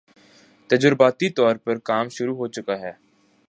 تجرباتی طور پر کام شروع ہو چکا ہے